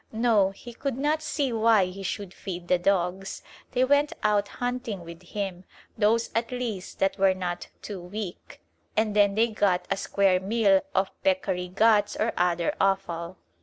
No, he could not see why he should feed the dogs. They went out hunting with him, those at least that were not too weak, and then they got a square meal of peccary guts or other offal.